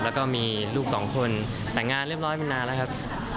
แล้วก็มีลูกสองคนแต่งงานเรียบร้อยมานานแล้วครับ